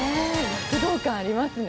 躍動感ありますね。